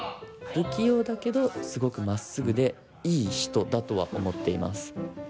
不器用だけどすごくまっすぐでいい人だとは思っています。